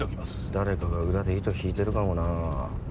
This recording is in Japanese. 誰かが裏で糸引いてるかもな。